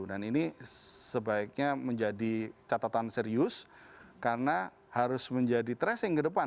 dan ini sebaiknya menjadi catatan serius karena harus menjadi tracing ke depan